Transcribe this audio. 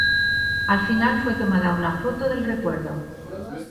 Al final fue tomada una foto del recuerdo.